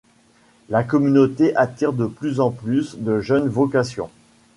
La communauté attire de plus en plus de jeunes vocations.